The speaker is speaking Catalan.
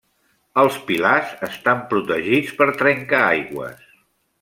Els pilars estan protegits per trencaaigües.